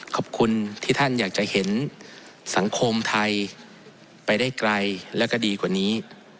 ขอบคุณที่ท่านอยากจะเห็นสังคมไทยไปได้ไกลแล้วก็ดีกว่านี้